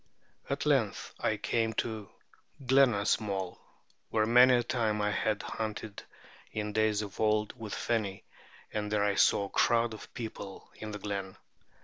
At length I came to Glenasmole,[B] where many a time I had hunted in days of old with the Feni, and there I saw a crowd of people in the glen.